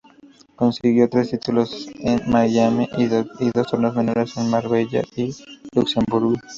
Consiguió tres títulos: en Miami y dos torneos menores en Marbella y Luxemburgo.